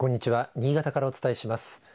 新潟からお伝えします。